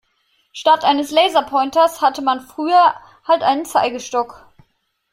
Statt eines Laserpointers hatte man früher halt einen Zeigestock.